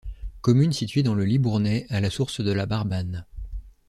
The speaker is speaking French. Commune située dans le Libournais à la source de la Barbanne.